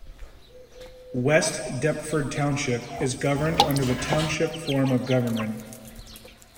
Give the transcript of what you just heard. West Deptford Township is governed under the Township form of government.